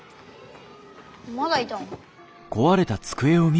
まだいたの？